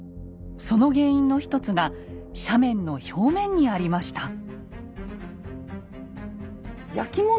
その原因の一つが斜面の表面にありました。